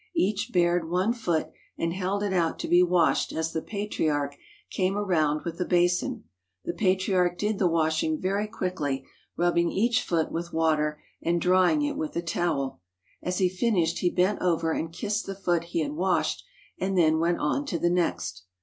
Each bared one foot and held it out to be washed as the Patriarch came around with the basin. The Patriarch did the washing very quickly, rubbing each foot with water and drying it with a towel. As he finished he bent over and kissed the foot he had washed and then went on to the next.